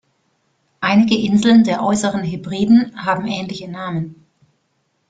Einige Inseln der Äußeren Hebriden haben ähnliche Namen.